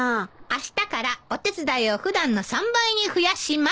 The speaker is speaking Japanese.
あしたからお手伝いを普段の３倍に増やします。